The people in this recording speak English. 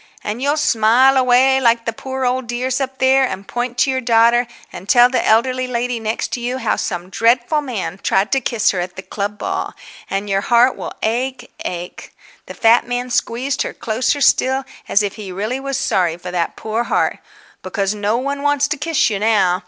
"And you'll smile away like the poor old dears up there, and point to your daughter, and tell the elderly lady next to you how some dreadful man tried to kiss her at the club ball. And your heart will ache, ache"—the fat man squeezed her closer still, as if he really was sorry for that poor heart—"because no one wants to kiss you now.